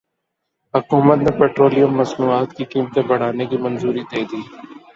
حکومت نے پیٹرولیم مصنوعات کی قیمتیں بڑھانے کی منظوری دے دی